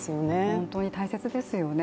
本当に大切ですよね。